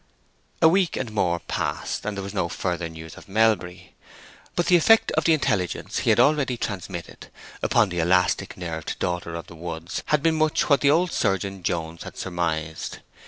A week and more passed, and there was no further news of Melbury. But the effect of the intelligence he had already transmitted upon the elastic nerved daughter of the woods had been much what the old surgeon Jones had surmised.